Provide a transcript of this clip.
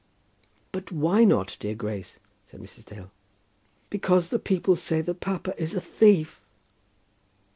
"But why not, dear Grace?" said Mrs. Dale. "Because the people say that papa is a thief!"